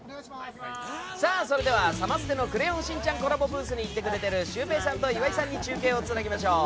それでは、サマステの「クレヨンしんちゃん」コラボブースに行ってくれているシュウペイさんと岩井さんに中継をつなぎましょう。